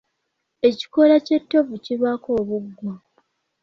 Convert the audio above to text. Ekikoola ky'ettovu kibaako obuggwa.